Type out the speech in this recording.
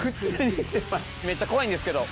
めっちゃ怖いんですけど。